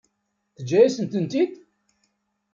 Teǧǧa-yasent-tent-id?